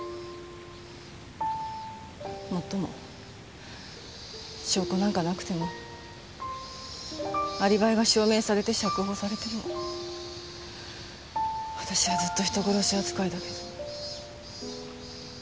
もっとも証拠なんかなくてもアリバイが証明されて釈放されても私はずっと人殺し扱いだけど。